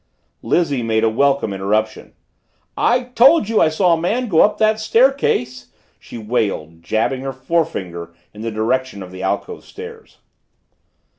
Lizzie made a welcome interruption. "I told you I saw a man go up that staircase!" she wailed, jabbing her forefinger in the direction of the alcove stairs.